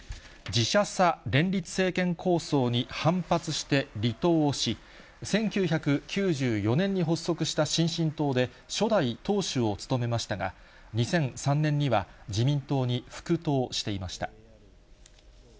自社さ連立政権構想に反発して離党をし、１９９４年に発足した新進党で初代党首を務めましたが、２００３年には自民党に復党していました。